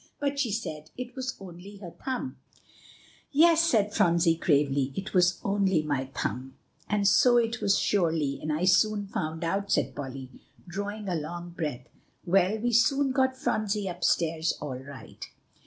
But she said it was only her thumb." "Yes," said Phronsie gravely; "it was only my thumb." "And so it was surely, as I soon found out," said Polly, drawing a long breath. "Well, we soon got Phronsie up stairs, all right."